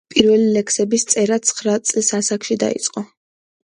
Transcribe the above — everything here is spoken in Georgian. პირველი ლექსების წერა ცხრა წლის ასაკში დაიწყო.